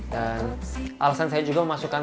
dan alasan saya juga memasukkan eka